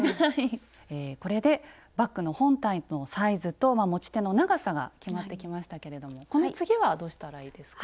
これでバッグの本体のサイズと持ち手の長さが決まってきましたけれどもこの次はどうしたらいいですか？